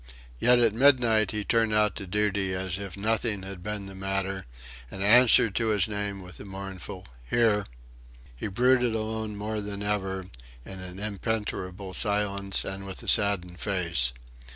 Yet at midnight he turned out to duty as if nothing had been the matter, and answered to his name with a mournful "Here!" He brooded alone more than ever, in an impenetrable silence and with a saddened face.